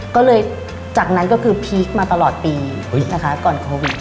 ก็เลยจากนั้นก็คือพีคมาตลอดปีนะคะก่อนโควิด